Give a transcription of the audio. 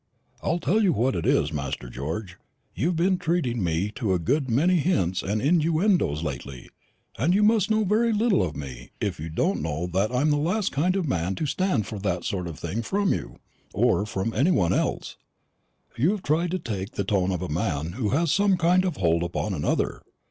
I'll tell you what it is, Master George; you've been treating me to a good many hints and innuendoes lately; and you must know very little of me if you don't know that I'm the last kind of man to stand that sort of thing from you, or from any one else. You have tried to take the tone of a man who has some kind of hold upon another.